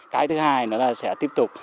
cái thứ hai nó là sẽ tiếp tục